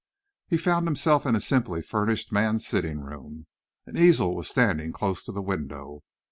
He found himself in a simply furnished man's sitting room. An easel was standing close to the window.